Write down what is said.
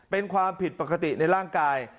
เป็นความผิดปกติในร่างกาย